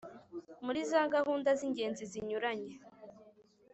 muri za gahunda z'ingenzi zinyuranye,